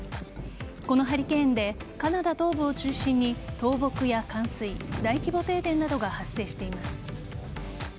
このハリケーンでカナダ東部を中心に倒木や冠水大規模停電などが発生しています。